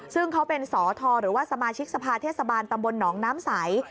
ซึ่งเขาเป็นสทหรือว่าสมาชิกสภาเทศบาลตำบลหนองน้ำใส